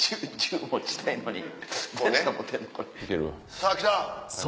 さぁきた。